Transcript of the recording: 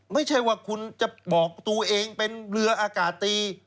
ไม่ใช่ว่าคุณจะบอกตัวเองเป็นเรืออากาศตี